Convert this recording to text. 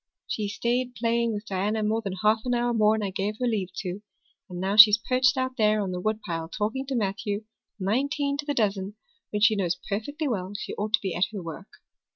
"She stayed playing with Diana more than half an hour more 'n I gave her leave to; and now she's perched out there on the woodpile talking to Matthew, nineteen to the dozen, when she knows perfectly well she ought to be at her work.